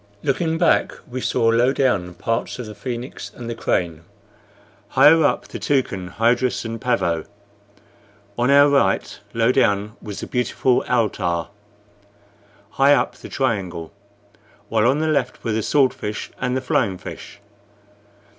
Looking back, we saw, low down, parts of the Phoenix and the Crane; higher up, the Toucan, Hydrus, and Pavo. On our right, low down, was the beautiful Altar; higher up, the Triangle; while on the left were the Sword fish and the Flying fish.